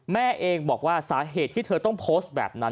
แม่เองบอกว่าสาเหตุที่เธอต้องโพสต์แบบนั้น